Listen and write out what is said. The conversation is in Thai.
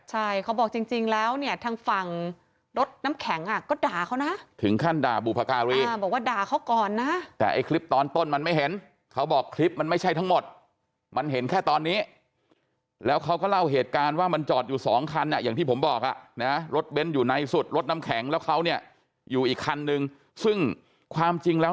ใช่เขาบอกจริงแล้วเนี่ยทางฝั่งรถน้ำแข็งอ่ะก็ด่าเขานะถึงขั้นด่าบุพการีบอกว่าด่าเขาก่อนนะแต่ไอ้คลิปตอนต้นมันไม่เห็นเขาบอกคลิปมันไม่ใช่ทั้งหมดมันเห็นแค่ตอนนี้แล้วเขาก็เล่าเหตุการณ์ว่ามันจอดอยู่สองคันอ่ะอย่างที่ผมบอกอ่ะนะรถเบ้นอยู่ในสุดรถน้ำแข็งแล้วเขาเนี่ยอยู่อีกคันนึงซึ่งความจริงแล้ว